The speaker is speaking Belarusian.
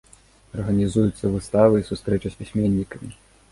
Арганізуюцца выставы і сустрэчы з пісьменнікамі.